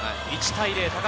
１対０。